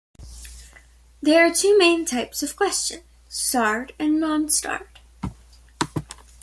There are two main types of question-Starred and non-starred.